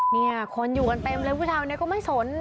เนี่ยคนอยู่กันเต็มเลยผู้ชายคนนี้ก็ไม่สน